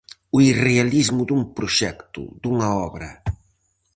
O irrealismo dun proxecto, dunha obra.